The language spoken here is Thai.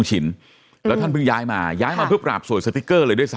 สวัสดีครับสวัสดีครับสวัสดีครับสวัสดีครับสวัสดีครับสวัสดีครับ